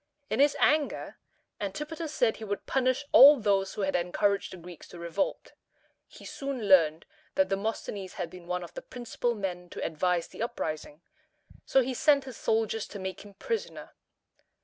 In his anger, Antipater said he would punish all those who had encouraged the Greeks to revolt. He soon learned that Demosthenes had been one of the principal men to advise the uprising, so he sent his soldiers to make him prisoner.